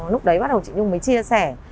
lúc đấy bắt đầu chị nhung mới chia sẻ